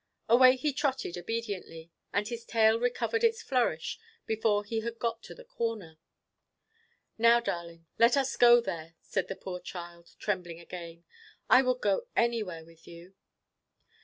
Away he trotted obediently, and his tail recovered its flourish before he had got to the corner. "Now, darling, let us go there," said the poor child, trembling again. "I would go anywhere with you."